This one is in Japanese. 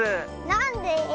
なんで？